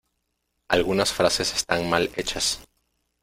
Algunas frases están mal hechas.